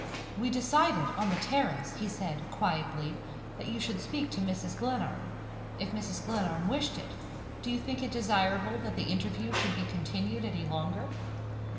"We decided, on the terrace," he said, quietly, "that you should speak to Mrs. Glenarm, if Mrs. Glenarm wished it. Do you think it desirable that the interview should be continued any longer?"